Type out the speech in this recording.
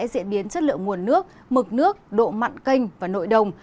diễn biến chất lượng nguồn nước mực nước độ mặn canh và nội đồng